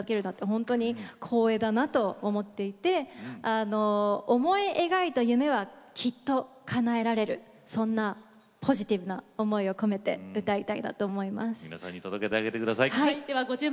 本当に光栄だなと思っていて思い描いた夢はきっとかなえられるそんなポジティブな思いを込めて歌いたいなと思います。